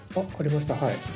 はい。